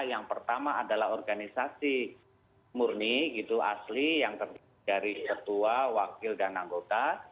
yang pertama adalah organisasi murni gitu asli yang terdiri dari ketua wakil dan anggota